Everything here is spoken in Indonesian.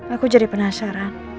aku jadi penasaran